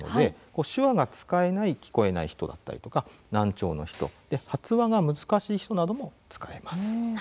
手話が使えない聞こえない人難聴の人、発話の難しい人なども使えます。